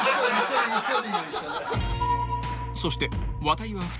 ［そして］